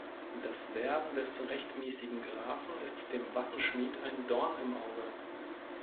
Das Werben des rechtmäßigen Grafen ist dem Waffenschmied ein Dorn im Auge.